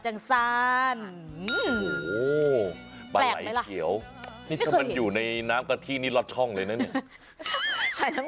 อันนี้เป็นเนี้ยอยู่ในน้ำคะทิรอดช่องเลยนะเนี่ย